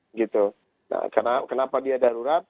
nah kenapa dia darurat